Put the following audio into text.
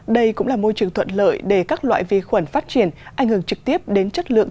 đây cũng là môi trường thuận lợi để các loại vi khuẩn phát triển ảnh hưởng trực tiếp đến chất lượng